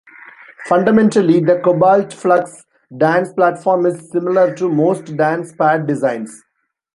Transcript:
Fundamentally, the Cobalt Flux dance platform is similar to most dance pad designs.